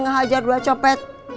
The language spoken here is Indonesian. kejar dua copet